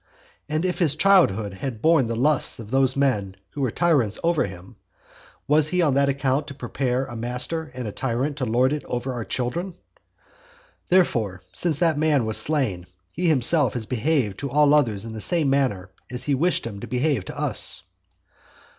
And if his childhood had borne the lusts of those men who were tyrants over him, was he on that account to prepare a master and a tyrant to lord it over our children? Therefore since that man was slain, he himself has behaved to all others in the same manner as he wished him to behave to us.